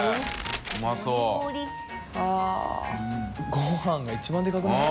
ご飯が一番でかくない？